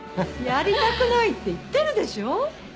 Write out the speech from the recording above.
やりたくないって言ってるでしょ！